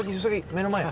目の前！